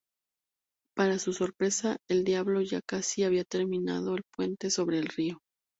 Para su sorpresa el diablo ya casi había terminado el puente sobre el río.